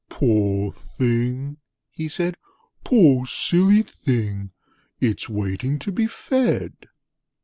'Poor thing,' he said, 'poor silly thing! It's waiting to be fed!'